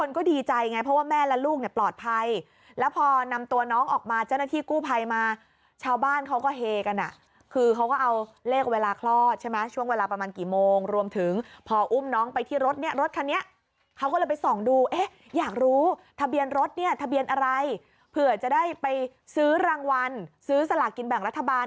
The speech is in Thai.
เลขเวลาคลอดใช่ไหมช่วงเวลาประมาณกี่โมงรวมถึงพออุ้มน้องไปที่รถเนี้ยรถคันเนี้ยเขาก็เลยไปส่องดูแอ๊ะอยากรู้ทะเบียนรถเนี้ยทะเบียนอะไรเผื่อจะได้ไปซื้อรางวัลซื้อสลากกินแบ่งรัฐบาล